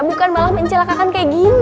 bukan malah mencelakakan kayak gini